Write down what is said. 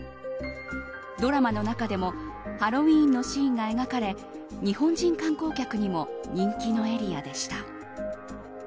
ドラマの中でもハロウィーンのシーンが描かれ日本人観光客にも人気のエリアでした。